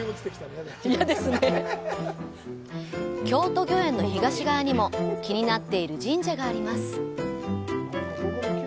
京都御所の東側にも気になっている神社があります。